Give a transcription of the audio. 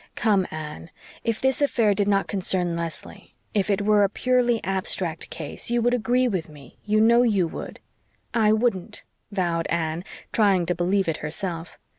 Come, Anne, if this affair did not concern Leslie if it were a purely abstract case, you would agree with me, you know you would." "I wouldn't," vowed Anne, trying to believe it herself.